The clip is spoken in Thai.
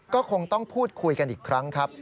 ก็คงต้องพูดคุยกันอีกครั้งครับ